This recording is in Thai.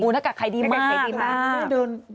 น้ากากขายดีมาก